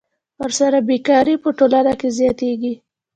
ورسره بېکاري په ټولنه کې زیاتېږي